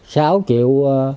sáu triệu chín trăm chín mươi